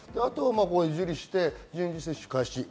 受理して接種開始。